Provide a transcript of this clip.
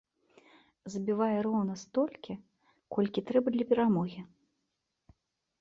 Забівае роўна столькі, колькі трэба для перамогі.